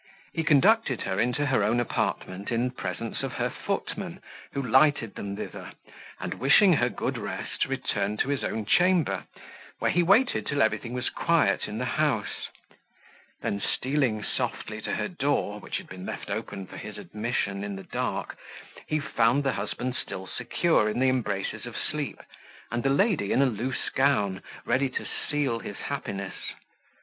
He conducted her into her own apartment in presence of her footman, who lighted them thither, and wishing her good rest, returned to his own chamber, where he waited till everything was quiet in the house; then stealing softly to her door, which had been left open for his admission in the dark, he found the husband still secure in the embraces of sleep, and the lady in a loose gown, ready to seal his happiness.